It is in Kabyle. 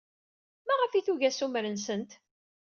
Maɣef ay tugi assumer-nsent?